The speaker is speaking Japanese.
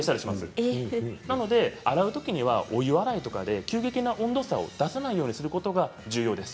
洗うときにはお湯洗いとかで急激な温度差を出さないようにすることが重要です。